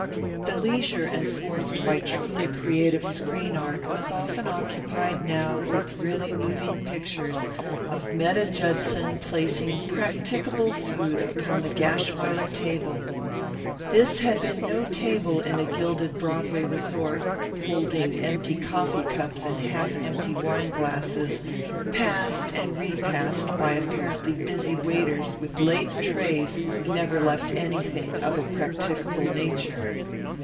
The leisure enforced by truly creative screen art was often occupied now with really moving pictures of Metta Judson placing practicable food upon the Gashwiler table. This had been no table in a gilded Broadway resort, holding empty coffee cups and half empty wine glasses, passed and repassed by apparently busy waiters with laden trays who never left anything of a practicable nature.